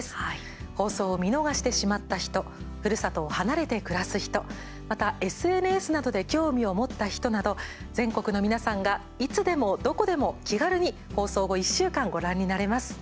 放送を見逃してしまった人ふるさとを離れて暮らす人また、ＳＮＳなどで興味を持った人など全国の皆さんがいつでもどこでも気軽に放送を１週間ご覧になれます。